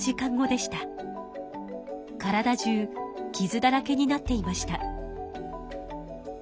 体中きずだらけになっていました。